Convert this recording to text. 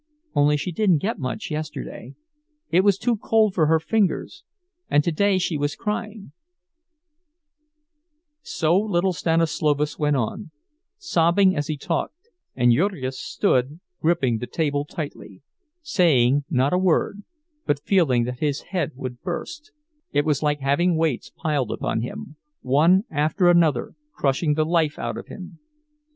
Only she didn't get much yesterday; it was too cold for her fingers, and today she was crying—" So little Stanislovas went on, sobbing as he talked; and Jurgis stood, gripping the table tightly, saying not a word, but feeling that his head would burst; it was like having weights piled upon him, one after another, crushing the life out of him.